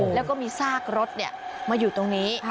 แล้วก็มีซากรถมาอยู่ตรงนี้